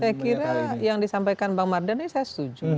saya kira yang disampaikan mbak mardana ini saya setuju